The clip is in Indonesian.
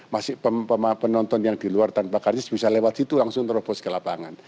masih penonton yang di luar tanpa kartis bisa lewat situ langsung terobos ke lapangan